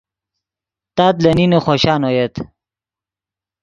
تات لے نین خوشان اویت